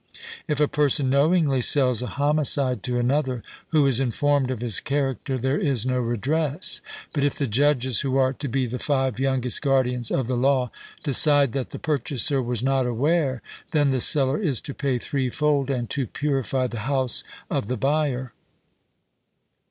If a person knowingly sells a homicide to another, who is informed of his character, there is no redress. But if the judges who are to be the five youngest guardians of the law decide that the purchaser was not aware, then the seller is to pay threefold, and to purify the house of the buyer.